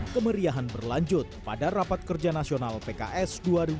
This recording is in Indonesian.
kemeriahan berlanjut pada rapat kerja nasional pks dua ribu dua puluh